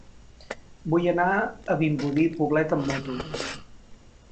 Vull anar a Vimbodí i Poblet amb moto.